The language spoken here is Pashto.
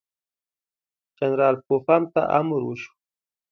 جنرال پوفم ته امر وشو.